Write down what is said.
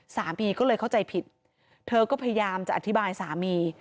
สามีก็เลยเข้าใจผิดเธอก็พยายามจะอธิบายสามี